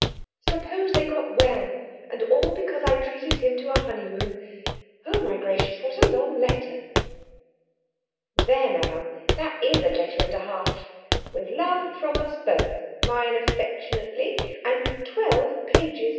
Suppose they got well, and all because I treated him to a honeymoon! Oh, my gracious, what a long letter!" "There now! that is a letter and a half. 'With love from us both,' mine affectionately. And twelve pages!